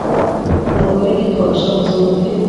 Umugore gito ashavuza umutima,